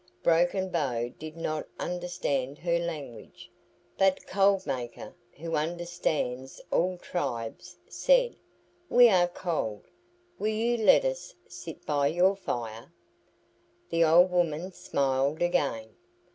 Broken Bow did not understand her language, but Cold Maker, who understands all tribes, said, "We are cold. Will you let us sit by your fire?" The old woman smiled again.